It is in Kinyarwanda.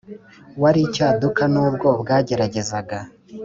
wari icyaduka nubwo bwageragezaga